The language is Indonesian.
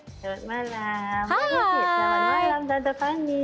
selamat malam selamat malam tante fani